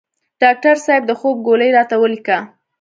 ډاکټر صیب د خوب ګولۍ راته ولیکه